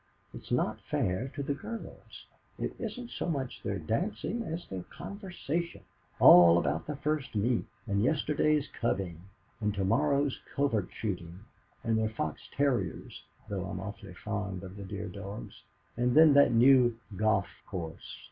It's not fair to the girls. It isn't so much their dancing, as their conversation all about the first meet, and yesterday's cubbing, and to morrow's covert shooting, and their fox terriers (though I'm awfully fond of the dear dogs), and then that new golf course.